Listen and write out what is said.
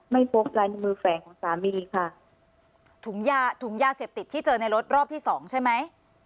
ไม่พบลายในมือแฝงของสามีค่ะถุงยาถุงยาเสพติดที่เจอในรถรอบที่สองใช่ไหม